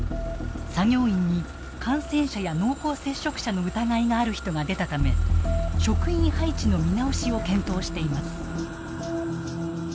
作業員に感染者や濃厚接触者の疑いがある人が出たため職員配置の見直しを検討しています。